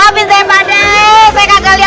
gimana dia yang takutnya